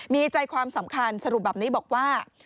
มีใจความสำคัญสรุปแบบนี้บอกว่า